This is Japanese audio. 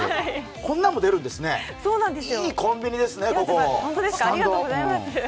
こんなんも出るんですね、いいコンビニですね、スタンド。